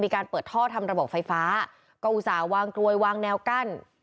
มีการเปิดท่อทำระบบไฟฟ้าก็อุตส่าห์วางกลวยวางแนวกั้น